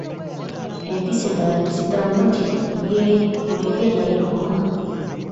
Empisi endala ne ziddamu nti, yee, muleete enjala etuluma.